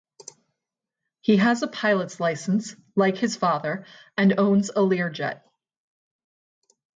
He has a pilot's license, like his father, and owns a Learjet.